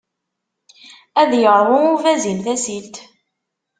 Ad iṛwu ubazin tasilt!